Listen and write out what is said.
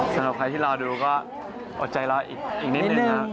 สำหรับใครที่รอดูก็อดใจรออีกนิดนึงครับ